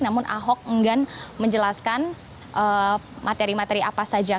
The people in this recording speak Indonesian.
namun ahok enggan menjelaskan materi materi apa saja